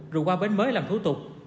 rồi qua bến mới làm thú tục